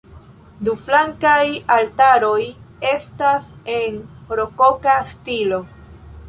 Du flankaj altaroj estas en rokoka stilo.